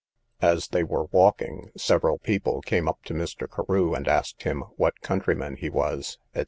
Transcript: As they were walking, several people came up to Mr. Carew, and asked him what countryman he was, &c.